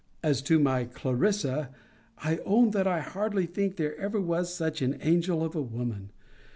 As to my CLARISSA, I own that I hardly think there ever was such an angel of a woman.